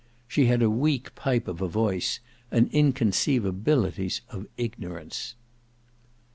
She had a weak pipe of a voice and inconceivabilities of ignorance.